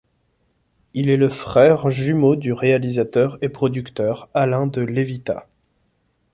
Il est le frère jumeau du réalisateur et producteur Alain De Levita.